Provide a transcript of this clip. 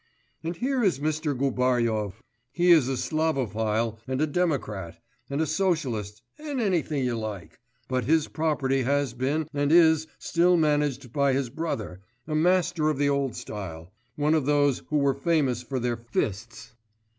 And here is Mr. Gubaryov; he is a Slavophil and a democrat and a socialist and anything you like, but his property has been and is still managed by his brother, a master of the old style, one of those who were famous for their fists.